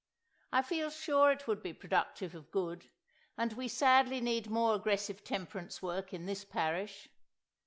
I feel sure it would be productive of good, and we sadly need more aggressive Temperance work in this parish.